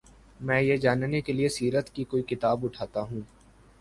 میں یہ جاننے کے لیے سیرت کی کوئی کتاب اٹھاتا ہوں۔